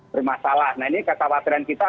bermasalah nah ini kata wabaran kita